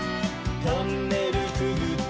「トンネルくぐって」